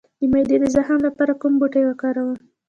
د معدې د زخم لپاره کوم بوټی وکاروم؟